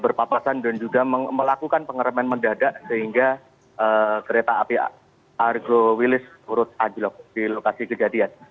berpapasan dan juga melakukan pengereman mendadak sehingga kereta api argo wilis turut anjlok di lokasi kejadian